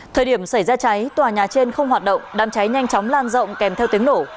thời điểm xảy ra cháy tòa nhà trên không hoạt động đám cháy nhanh chóng lan rộng kèm theo tiếng nổ